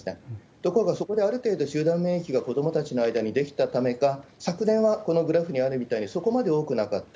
ところが、そこである程度集団免疫が子どもたちの間に出来たためか、昨年はこのグラフにあるみたいに、そこまで多くなかった。